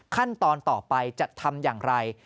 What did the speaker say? ขั้นตอนต่อไปจะทำอย่างไร